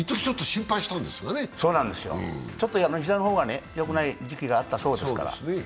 ちょっと膝の方がよくない時期があったそうですから。